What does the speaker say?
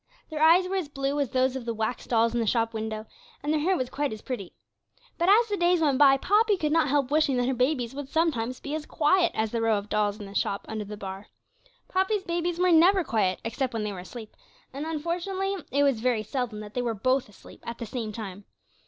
Their eyes were as blue as those of the wax dolls in the shop window, and their hair was quite as pretty. But, as the days went by, Poppy could not help wishing that her babies would sometimes be as quiet as the row of dolls in the shop under the Bar. Poppy's babies were never quiet, except when they were asleep, and unfortunately it was very seldom that they were both asleep at the same time.